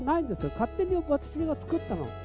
勝手に私が作ったの。